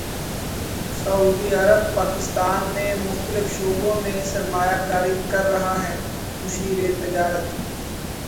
سعودی عرب پاکستان میں مختلف شعبوں میں سرمایہ کاری کر رہا ہے مشیر تجارت